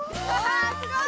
すごい！